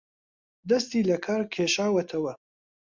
دەستی لەکار کێشاوەتەوە